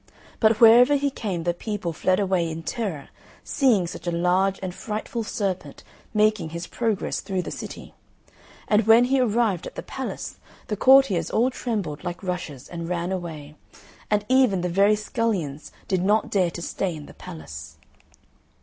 But wherever he came the people fled away in terror, seeing such a large and frightful serpent making his progress through the city; and when he arrived at the palace, the courtiers all trembled like rushes and ran away; and even the very scullions did not dare to stay in the place.